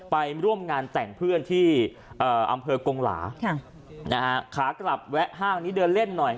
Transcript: ไปร่วมงานแต่งเพื่อนที่อำเภอกงหลาขากลับแวะห้างนี้เดินเล่นหน่อย